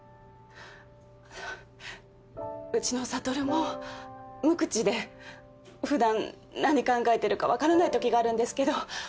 うちの悟も無口で普段何考えてるか分からないときがあるんですけど。